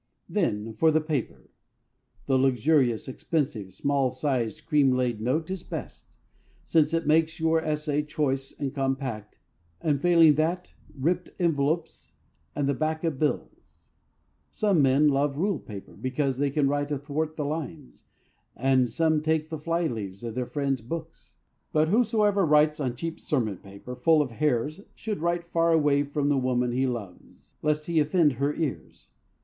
Then for the paper. The luxurious, expensive, small sized cream laid note is best, since it makes your essay choice and compact; and, failing that, ripped envelopes and the backs of bills. Some men love ruled paper, because they can write athwart the lines, and some take the fly leaves of their friends' books. But whosoever writes on cheap sermon paper full of hairs should write far away from the woman he loves, lest he offend her ears.